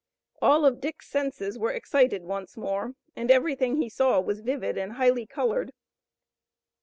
All of Dick's senses were excited once more, and everything he saw was vivid and highly colored.